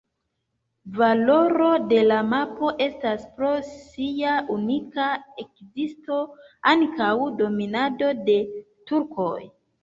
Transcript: Valoro de la mapo estas pro sia unika ekzisto antaŭ dominado de turkoj.